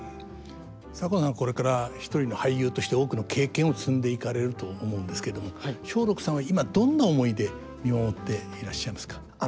左近さんはこれから一人の俳優として多くの経験を積んでいかれると思うんですけれども松緑さんは今どんな思いで見守っていらっしゃいますか？